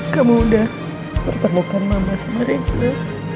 kamu udah pertemukan mama sama mereka